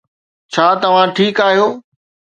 ڇا توهان ٺيڪ آهيو